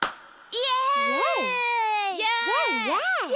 イエイ！